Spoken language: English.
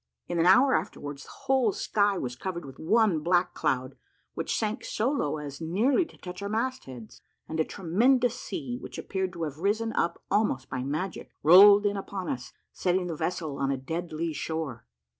In an hour afterwards, the whole sky was covered with one black cloud, which sank so low as nearly to touch our mast heads, and a tremendous sea, which appeared to have risen up almost by magic, rolled in upon us, setting the vessel on a dead lee shore.